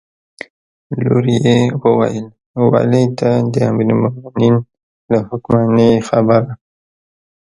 لور یې وویل: ولې ته د امیرالمؤمنین له حکمه نه یې خبره.